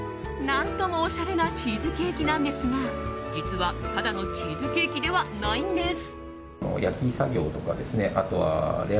何ともおしゃれなチーズケーキなんですが実は、ただのチーズケーキではないんです。